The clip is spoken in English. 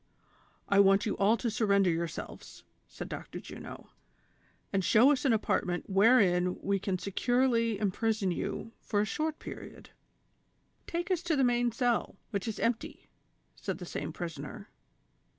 " I want you all to surrender yourselves," said Dr. Juno, "and show us an apartment wherein we can securely im prison you for a short period." "Take us to the main cell, which is empty," said the same prisoner.